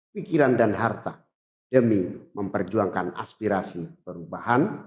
pikiran dan harta demi memperjuangkan aspirasi perubahan